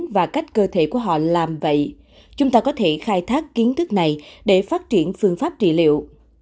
và cách cơ thể của họ làm vậy chúng ta có thể khai thác kiến thức này để phát triển phương pháp trị liệu